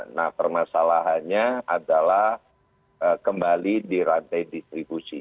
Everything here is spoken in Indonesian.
nah permasalahannya adalah kembali di rantai distribusi